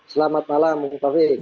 selamat malam bung pak fik